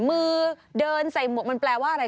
มือเดินใส่หมวกมันแปลว่าอะไร